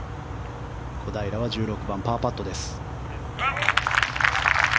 小平は１６番、パーパットです。